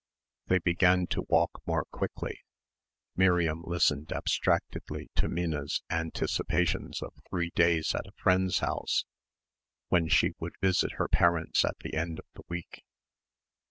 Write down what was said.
They began to walk more quickly. Miriam listened abstractedly to Minna's anticipations of three days at a friend's house when she would visit her parents at the end of the week.